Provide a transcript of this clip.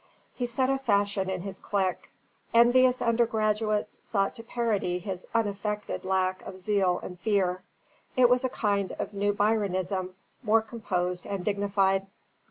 He set a fashion in his clique. Envious undergraduates sought to parody his unaffected lack of zeal and fear; it was a kind of new Byronism more composed and dignified.